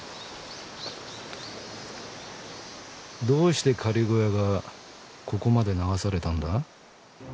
どうして仮小屋がここまで流されたんだ？